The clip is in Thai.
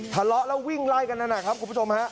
ทะเลาะแล้ววิ่งไล่กันนั่นนะครับคุณผู้ชมฮะ